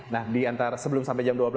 nah di antara sebelum sampai jam dua belas